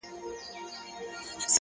هره ورځ د نوې پیل امکان لري.!